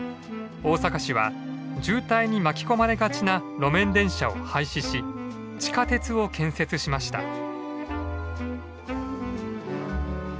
大阪市は渋滞に巻き込まれがちな路面電車を廃止し地下鉄を建設しました。